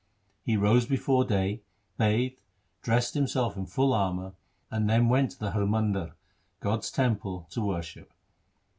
He rose before day, bathed, dressed himself in full armour, and then went to the Har Mandar — God's temple — to worship.